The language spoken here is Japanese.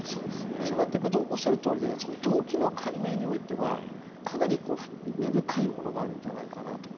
そうなってくるとおっしゃるとおりで動機の解明においてはかなり根深いものがあるんじゃないかと。